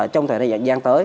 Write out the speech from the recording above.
trong thời gian tới